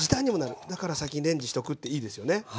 だから先にレンジしとくっていいですよね。